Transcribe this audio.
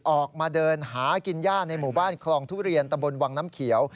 ออกมาเดินหากินย่าในหมู่บ้านคลองทุเรียนตะบนวังน้ำเขียว